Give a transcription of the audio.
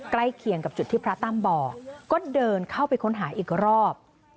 ใกล้เคียงกับจุดที่พระตั้มบอกก็เดินเข้าไปค้นหาอีกรอบ